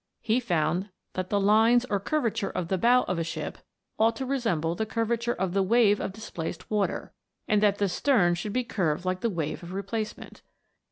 He found that the lines or curvature of the bow of a ship ought to re semble the curvature of the wave of displaced water, and that the stern should be curved like the wave of replacement.